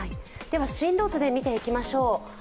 進路図で見ていきましょう。